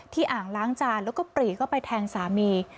อ่างล้างจานแล้วก็ปรีเข้าไปแทงสามี